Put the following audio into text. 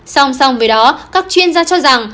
song song với đó các chuyên gia cho rằng